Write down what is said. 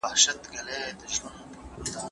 ټولنيز ځواکونه د هيواد د سياست څرخ ته حرکت ورکوي.